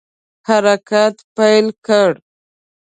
حرکت پیل کړ.